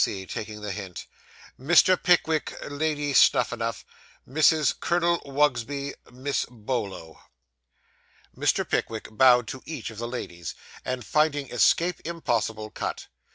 C., taking the hint. 'Mr. Pickwick, Lady Snuphanuph Mrs. Colonel Wugsby Miss Bolo.' Mr. Pickwick bowed to each of the ladies, and, finding escape impossible, cut. Mr.